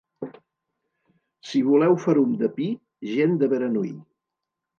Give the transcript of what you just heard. Si voleu ferum de pi, gent de Beranui.